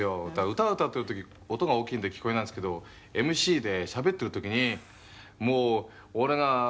「歌歌ってる時音が大きいんで聞こえないんですけどＭＣでしゃべってる時にもう俺がバカ言ったりなんか」